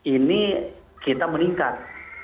ini kita meningkat